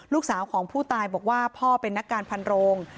ลูกสาวของผู้ตายบอกว่าพ่อเป็นนักการพันโรง